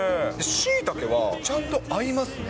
シイタケは、ちゃんと合いますね。